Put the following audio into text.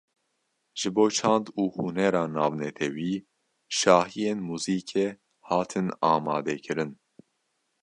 Ji Bo Çand û Hunera Navnetewî, şahiyên muzîkê hatin amade kirin